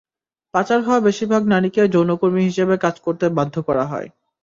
পাচার হওয়া বেশির ভাগ নারীকে যৌনকর্মী হিসেবে কাজ করতে বাধ্য করা হয়।